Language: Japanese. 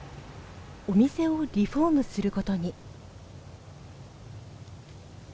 お店をリフォームすることに。